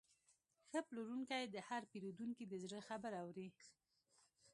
ښه پلورونکی د هر پیرودونکي د زړه خبره اوري.